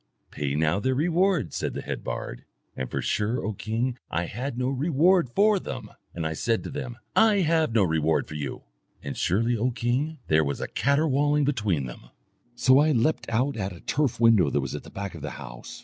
'Pay now their reward,' said the head bard; and for sure, O king, I had no reward for them; and I said to them, 'I have no reward for you.' And surely, O king, there was a catterwauling between them. So I leapt out at a turf window that was at the back of the house.